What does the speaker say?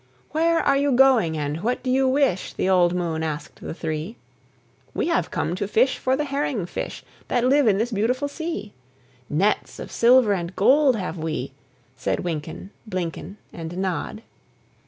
"Where are you going, and what do you wish?" The old moon asked the three. "We have come to fish for the herring fish That live in this beautiful sea; Nets of silver and gold have we," Said Wynken, Blynken, And Nod.